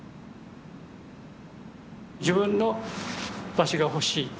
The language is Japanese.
自分の場所が欲しい。